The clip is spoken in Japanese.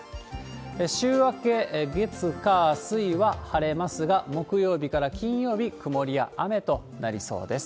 週明け月、火、水は晴れますが、木曜日から金曜日、曇りや雨となりそうです。